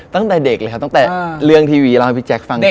ตั้งแต่เด็กเลยครับตั้งแต่เรื่องทีวีเล่าให้พี่แจ๊คฟังเนี่ย